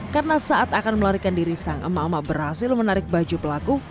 karena saat akan melarikan diri sang emak emak berhasil menarik baju pelaku